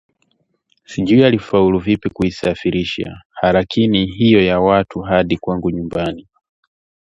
Sijui alifaulu vipi kuisafirisha halaiki hiyo ya watu hadi kwangu nyumbani